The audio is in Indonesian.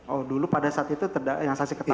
oh dulu pada saat itu yang saksi ketahui